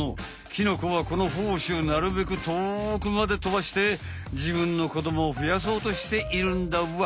キノコはこのほうしをなるべくとおくまでとばしてじぶんのこどもをふやそうとしているんだわ。